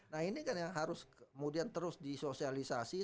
nah ini kan yang harus kemudian terus disosialisasi